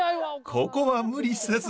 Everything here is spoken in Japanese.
ここは無理せず。